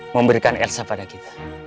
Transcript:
memberikan elsa pada kita